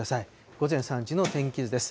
午前３時の天気図です。